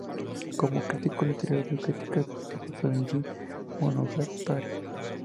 Como crítico literario, dio críticas positivas al "Genji Monogatari".